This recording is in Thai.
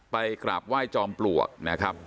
กราบไหว้จอมปลวกนะครับ